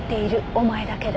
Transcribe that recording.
お前だけだ」